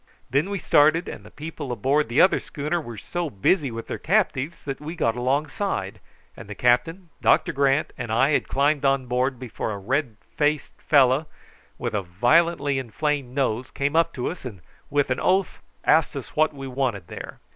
Then we started, and the people aboard the other schooner were so busy with their captives that we got alongside, and the captain, Doctor Grant, and I had climbed on deck before a red faced fellow with a violently inflamed nose came up to us, and, with an oath, asked what we wanted there.